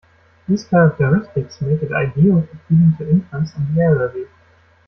These characteristics make it ideal for feeding to infants and the elderly.